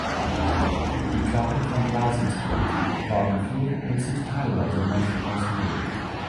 Die Klappen von Blasinstrumenten waren früher und sind teilweise noch aus Leder.